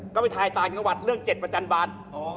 ก็ไปถ่ายต่างจังหวัดเรื่อง๗ประจันบาล